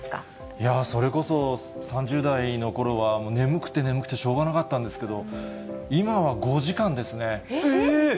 いやー、それこそ３０代のころは、眠くて眠くてしょうがなかったんですけえー！